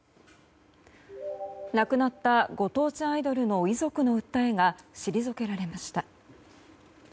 亡くなったご当地アイドルの遺族の訴えが退けられました。